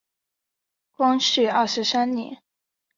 光绪二十三年。